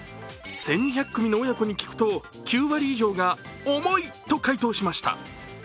１２００組の親子に聞くと、９割以上が「重い」と回答しました。